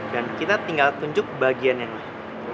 dan kita tinggal tunjuk bagian yang lain